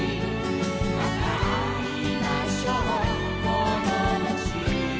「またあいましょうともだち」